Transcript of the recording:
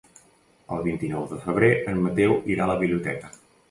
El vint-i-nou de febrer en Mateu irà a la biblioteca.